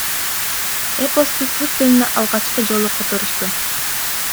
Эпосту түрк тилине алгачкы жолу которушту.